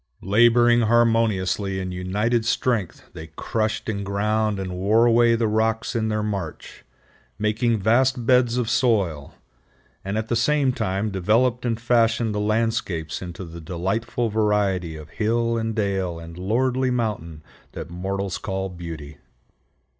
Laboring harmoniously in united strength they crushed and ground and wore away the rocks in their march, making vast beds of soil, and at the same time developed and fashioned the landscapes into the delightful variety of hill and dale and lordly mountain that mortals call beauty.